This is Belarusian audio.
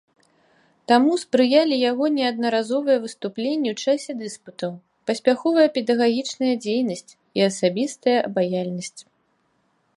Таму спрыялі яго неаднаразовыя выступленні ў часе дыспутаў, паспяховая педагагічная дзейнасць і асабістая абаяльнасць.